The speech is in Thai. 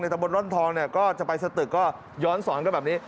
ตะบนร่อนทองเนี่ยก็จะไปสตึกก็ย้อนสอนกันแบบนี้